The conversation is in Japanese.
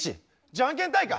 じゃんけん大会？